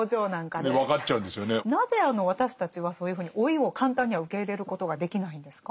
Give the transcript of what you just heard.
なぜあの私たちはそういうふうに老いを簡単には受け入れることができないんですか？